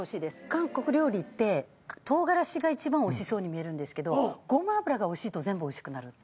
韓国料理って唐辛子が一番おいしそうに見えるんですけどごま油がおいしいと全部おいしくなる。